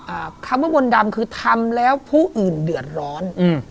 อ่าคำว่ามณฑัมคือทำแล้วผู้อื่นเดือดร้อน